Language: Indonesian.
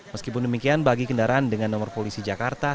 meskipun demikian bagi kendaraan dengan nomor polisi jakarta